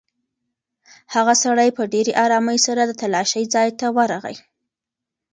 هغه سړی په ډېرې ارامۍ سره د تالاشۍ ځای ته ورغی.